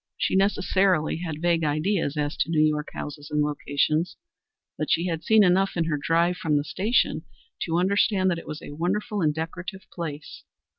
She necessarily had vague ideas as to New York houses and locations, but she had seen enough in her drive from the station to understand that it was a wonderful and decorative place.